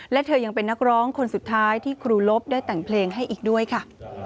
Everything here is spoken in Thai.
และเธอยังเป็นนักร้องคนสุดท้ายที่ครูลบได้แต่งเพลงให้อีกด้วยค่ะ